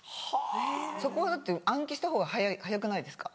そこはだって暗記したほうが早くないですか？